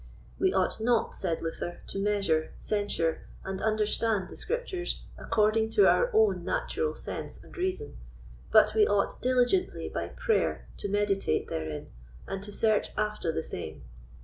We ought not, said Luther, to measure, censure, and understand the Scriptures according to our own natural sense and reason, but we ought diligently by prayer to meditate therein, and to search after the same.